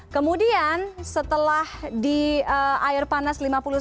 kemudian setelah di air panas lima puluh sembilan